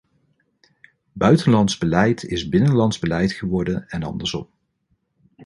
Buitenlands beleid is binnenlands beleid geworden en andersom.